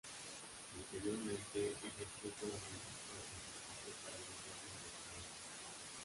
Posteriormente ejerció como Ministro de Justicia para el Gobierno de Somalia.